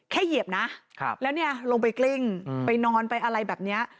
เหยียบนะแล้วเนี่ยลงไปกลิ้งไปนอนไปอะไรแบบนี้